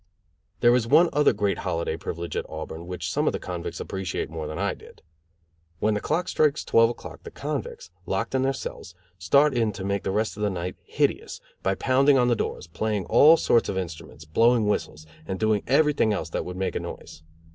There is one other great holiday privilege at Auburn, which some of the convicts appreciate more than I did. When the clock strikes twelve o'clock the convicts, locked in their cells, start in to make the rest of the night hideous, by pounding on the doors, playing all sorts of instruments, blowing whistles, and doing everything else that would make a noise.